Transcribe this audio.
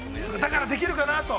◆だから、できるかなと。